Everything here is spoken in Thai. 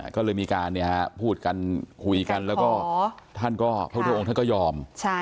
ก็เลยมีการพูดกันคุยกันแล้วก็พระพุทธองค์ก็ยอม